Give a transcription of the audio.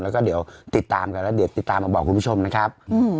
แล้วก็เดี๋ยวติดตามกันแล้วเดี๋ยวติดตามมาบอกคุณผู้ชมนะครับ